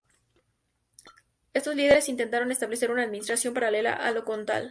Estos líderes intentaron establecer una administración paralela a la condal.